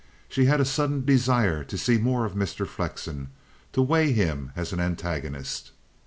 She had a sudden desire to see more of Mr. Flexen, to weigh him as an antagonist.